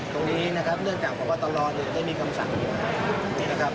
ตรงนี้นะครับเรื่องจากของพวกตลอดเองได้มีคำสั่งนะครับ